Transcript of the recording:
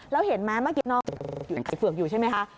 เราเห็นมั้ยเมื่อกี้น้องใครเขื่ออยู่ใช่ไหมคะ